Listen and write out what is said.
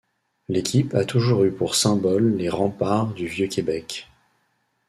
L'équipe a toujours eu pour symbole les remparts du Vieux-Québec.